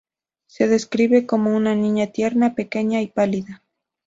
Se describe como una niña tierna, pequeña y pálida.